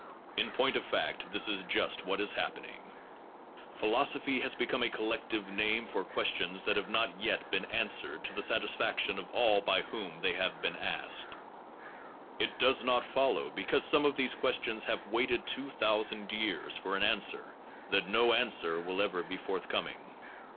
In point of residuum of prob fact this is just what is happening. lems un . solved by Philosophy has become a collective name for questions that have not yet been answered to the satisfaction of all by whom they have been asked. It does not fol low, because some of these questions have waited two thousand years for an answer, that no answer will ever be forthcoming.